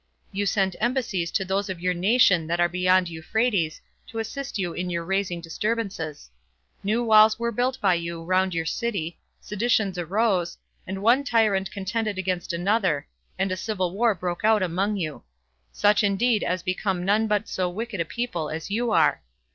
You sent embassies to those of your nation that are beyond Euphrates to assist you in your raising disturbances; new walls were built by you round your city, seditions arose, and one tyrant contended against another, and a civil war broke out among you; such indeed as became none but so wicked a people as you are.